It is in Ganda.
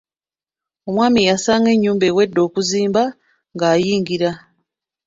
Omwami yasanga ennyumba ewedde kuzimba ng'ayingira.